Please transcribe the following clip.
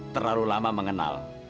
terlalu lama mengenal